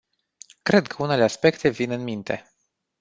Cred că unele aspecte vin în minte.